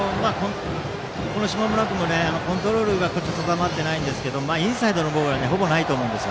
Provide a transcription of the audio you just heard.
下村君もコントロールが定まっていませんがインサイドの方はほぼないと思うんです。